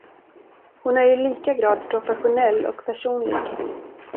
Hon är i lika grad professionell och personlig.